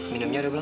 minumnya ada belum